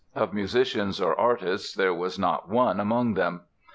Of musicians or artists there was not one among them.